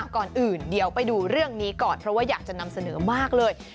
ก่อนอื่นเดี๋ยวไปดูเรื่องนี้ก่อนเพราะว่าอยากจะนำเสนอมากเลย